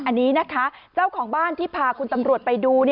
อันนี้นะคะเจ้าของบ้านที่พาคุณตำรวจไปดู